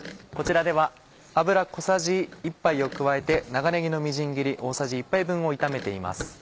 こちらでは油小さじ１杯を加えて長ねぎのみじん切り大さじ１杯分を炒めています。